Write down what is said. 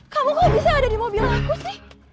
kamu kok bisa ada di mobil aku sih